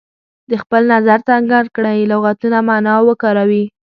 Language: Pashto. د خپل نظر څرګند کړئ لغتونه معنا او وکاروي.